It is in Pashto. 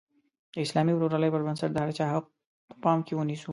د اسلامي ورورولۍ پر بنسټ د هر چا حق په پام کې ونیسو.